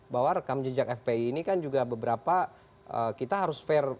bahwa rekam jejak fpi ini kan juga beberapa kita harus fair